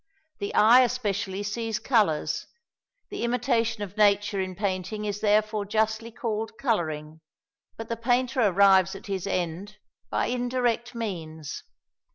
The eye especially sees colours, the imitation of nature in painting is therefore justly called colouring; but the painter arrives at his end by indirect means.